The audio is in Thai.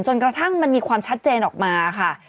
กระทั่งมันมีความชัดเจนออกมาค่ะ